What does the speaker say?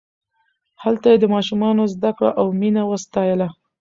هلته یې د ماشومانو زدکړه او مینه وستایله.